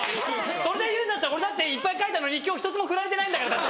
それで言うんだったら俺だっていっぱい書いたのに今日１つもふられてないんだから。